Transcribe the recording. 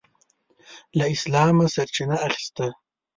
له اسلامه سرچینه اخیسته.